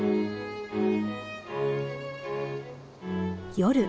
夜。